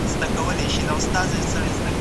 علمي فعالیتونه د انسان د هڅو نتیجه ده.